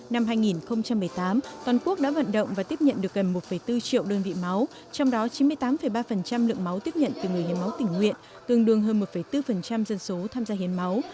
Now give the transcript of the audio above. năm hai nghìn một mươi tám toàn quốc đã vận động và tiếp nhận được gần một bốn triệu đơn vị máu trong đó chín mươi tám ba lượng máu tiếp nhận từ người hiến máu tỉnh nguyện tương đương hơn một bốn dân số tham gia hiến máu